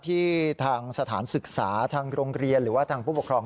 ที่ทางสถานศึกษาทางโรงเรียนหรือว่าทางผู้ปกครอง